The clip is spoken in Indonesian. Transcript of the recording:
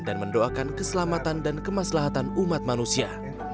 dan mendoakan keselamatan dan kemaslahatan umat manusia